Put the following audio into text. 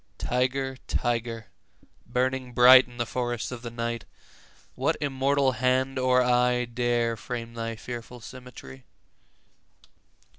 20 Tiger, tiger, burning bright In the forests of the night, What immortal hand or eye Dare frame thy fearful symmetry?